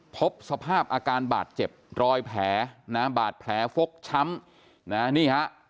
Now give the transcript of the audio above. พบสภาพอาการบาดเจ็บรอยแผลนะบาดแผลฟกช้ำนะนี่ฮะ